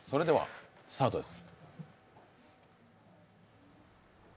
それではスタートです。